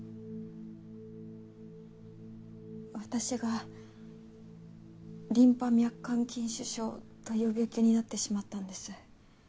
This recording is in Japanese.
私がリンパ脈管筋腫症という病気になってしまったんです。